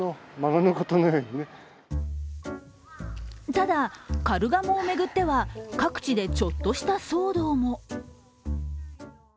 ただ、カルガモを巡っては各地でちょっとした騒動も。